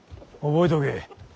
覚えとけ。